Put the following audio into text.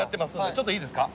ちょっといいですか。